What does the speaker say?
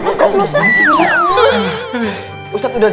lalu tunggu tunggu jangan tiduran